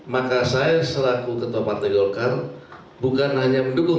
maka saya selaku ketua partai golkar bukan hanya mendukung